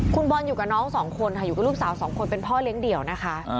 คุณบอลอยู่กับน้องสองคนค่ะอยู่กับลูกสาวสองคนเป็นพ่อเลี้ยงเดี่ยวนะคะ